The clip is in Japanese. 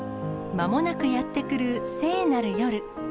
まもなくやってくる聖なる夜。